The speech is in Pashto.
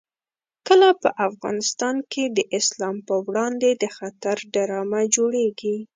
کله په افغانستان کې د اسلام په وړاندې د خطر ډرامه جوړېږي.